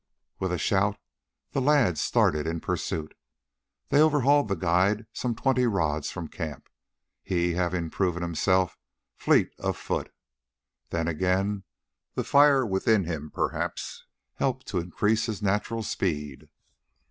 With a shout the lads started in pursuit. They overhauled the guide some twenty rods from camp, he having proved himself fleet of foot. Then again, the fire within him perhaps helped to increase his natural speed.